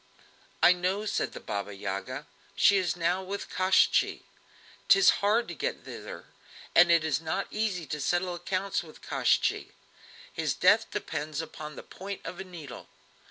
"I know," said the Baba Yaga; "she is now with Koshchei. 'Tis hard to get thither, and it is not easy to settle accounts with Koshchei. His death depends upon the point of a needle.